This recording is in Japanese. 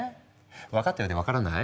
分かったようで分からない？